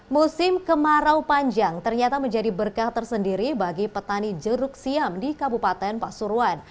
musim kemarau panjang ternyata menjadi berkah tersendiri bagi petani jeruk siam di kabupaten pasuruan